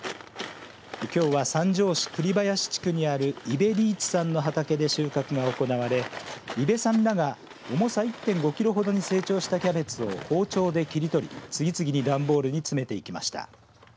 きょうは三条市栗林地区にある伊部利一さんの畑で収穫が行われ伊部さんらが重さ１．５キロほどに成長したキャベツを包丁で切り取り、次々に段ボールに詰めていきました。